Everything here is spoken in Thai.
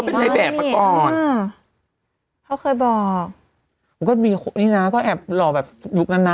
เป็นในแบบมาก่อนอ่าเขาเคยบอกมันก็มีนี่นะก็แอบหล่อแบบยุคนั้นนะ